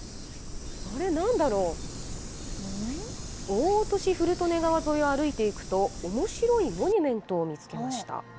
大落古利根川沿いを歩いていくと、おもしろいモニュメントを見つけました。